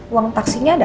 uang taksinya ada